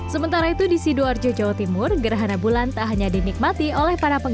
sementara itu di sidoarjo jawa timur gerhana bulan tak hanya dinikmati oleh para pengguna